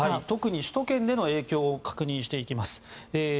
特に首都圏での影響を確認していきます。